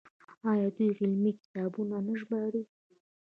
آیا دوی علمي کتابونه نه ژباړي؟